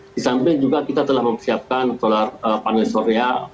di samping juga kita telah mempersiapkan panel surya